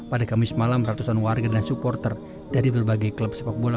pada kamis malam ratusan warga dan supporter dari berbagai klub sepak bola